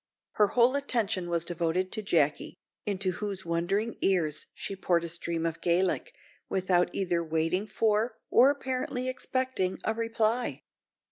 Her whole attention was devoted to Jacky, into whose wondering ears she poured a stream of Gaelic, without either waiting for, or apparently expecting, a reply.